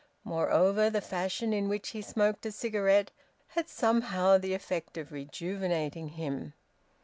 Moreover, the fashion in which he smoked a cigarette had somehow the effect of rejuvenating him.